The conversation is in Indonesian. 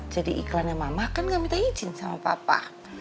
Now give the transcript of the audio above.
jadi iklannya mama kan nggak minta izin sama papa